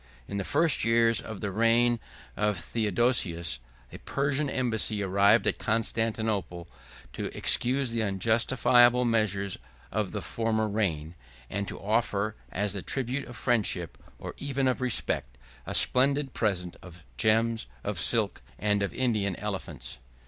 In the first years of the reign of Theodosius, a Persian embassy arrived at Constantinople, to excuse the unjustifiable measures of the former reign; and to offer, as the tribute of friendship, or even of respect, a splendid present of gems, of silk, and of Indian elephants.